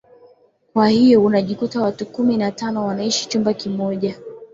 kwa hiyo unajikuta watu kumi na tano wanaaiishi chumba kimoja